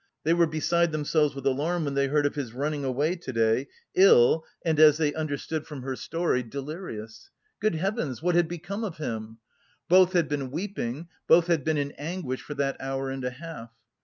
They were beside themselves with alarm when they heard of his "running away" to day, ill and, as they understood from her story, delirious! "Good Heavens, what had become of him?" Both had been weeping, both had been in anguish for that hour and a half.